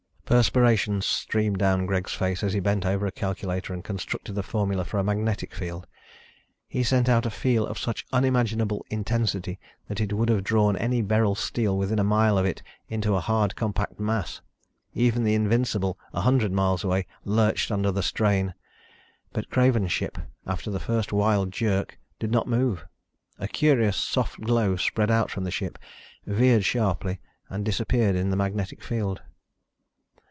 Perspiration streamed down Greg's face as he bent over a calculator and constructed the formula for a magnetic field. He sent out a field of such unimaginable intensity that it would have drawn any beryl steel within a mile of it into a hard, compact mass. Even the Invincible, a hundred miles away, lurched under the strain. But Craven's ship, after the first wild jerk, did not move. A curious soft glow spread out from the ship, veered sharply and disappeared in the magnetic field.